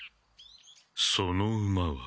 その馬は？